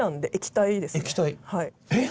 えっ！